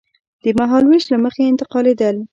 د مهالوېش له مخې انتقالېدل.